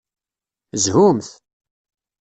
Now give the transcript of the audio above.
Zhumt!